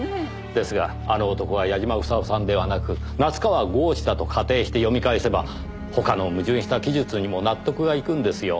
ですが「あの男」は矢嶋房夫さんではなく夏河郷士だと仮定して読み返せば他の矛盾した記述にも納得がいくんですよ。